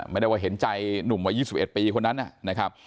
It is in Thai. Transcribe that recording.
ไม่ได้ว่าเห็นใจหนุ่มวัย๒๑ปีคนนั้นนะครับ